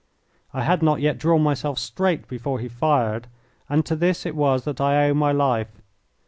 I had not yet drawn myself straight before he fired, and to this it was that I owe my life.